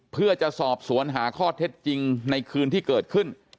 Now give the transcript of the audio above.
เพื่อจะสอบสวนหาข้อเท็จจริงในคืนที่เกิดขึ้น